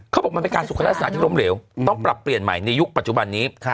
เขาบอกมันเป็นการสุขลักษณะที่ล้มเหลวต้องปรับเปลี่ยนใหม่ในยุคปัจจุบันนี้